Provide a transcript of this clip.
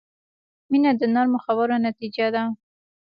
• مینه د نرمو خبرو نتیجه ده.